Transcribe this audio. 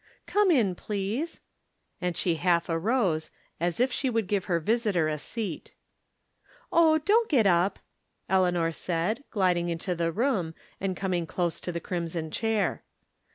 " Come in, please," and she half arose, as if she would give her visitor a seat. " Oh, don't get up," Eleanor said, gliding into the room, and coming close to the crimson chair.